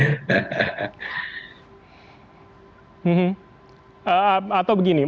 hmm atau begini